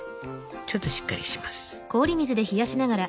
ちょっとしっかりします。